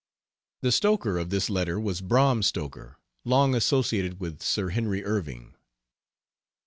The "Stoker" of this letter was Bram Stoker, long associated with Sir Henry Irving.